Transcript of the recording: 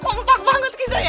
kompak banget kita ya